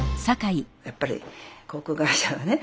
やっぱり航空会社はね